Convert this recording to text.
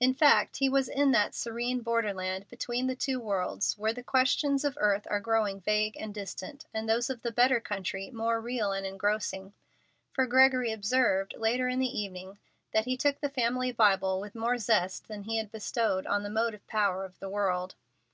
In fact he was in that serene border land between the two worlds where the questions of earth are growing vague and distant and those of the "better country" more real and engrossing, for Gregory observed, later in the evening, that he took the family Bible with more zest than he had bestowed on the motive power of the world.